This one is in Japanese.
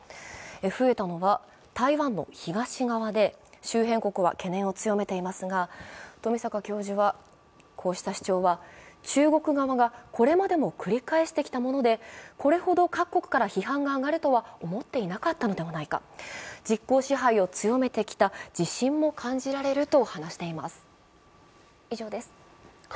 増えたのは台湾の東側で周辺国は懸念を強めていますが、富坂教授は、こうした主張は中国側がこれまでも繰り返してきたものでこれほど各国から批判があがるとは思っていなかったのではないか、実効支配を強めてきた自信も感じられると話しています。